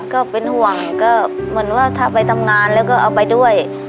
ก็เป็นห่วงก็เหมือนว่าถ้าไปทำงานแล้วก็เอาไปด้วย